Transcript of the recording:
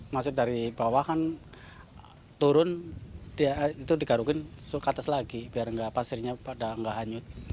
masih dari bawah kan turun itu digarukin ke atas lagi biar pasirnya tidak hanyut